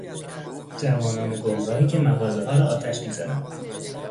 جوانان گمراهی که مغازهها را آتش میزنند.